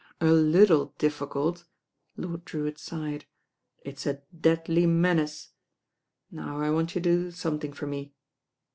A little difficult," Lord Drewitt sighed. "It's a deadly menace. Now I want you to do somethine for me."